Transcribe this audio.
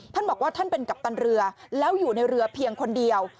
ท่านบอกว่าท่านเป็นกัปตันเรือแล้วอยู่ในเรือเพียงคนเดียว